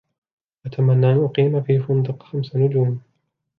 أتمنى أن أقيم في فندق خمس نجوم.